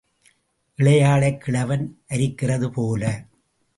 இளையாளைக் கிழவன் அரிக்கிறது போல.